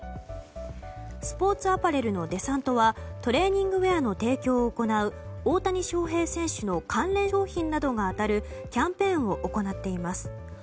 スポーツアパレルのデサントはトレーニングウェアの提供を行う大谷翔平選手の関連商品などが当たるキャンペーンを行っています。